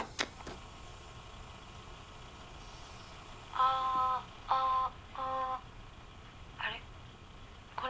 ああああれこれ